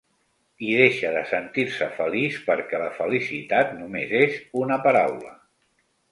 I deixa de sentir-se feliç perquè la felicitat només és una paraula.